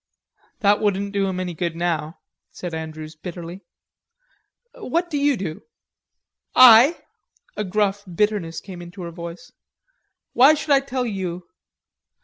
"That wouldn't do him any good now," said Andrews bitterly. "What do you do?" "I?" a gruff bitterness came into her voice. "Why should I tell you?